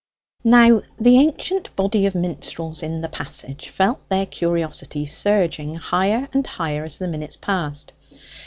Now the ancient body of minstrels in the passage felt their curiosity surging higher and higher as the minutes passed.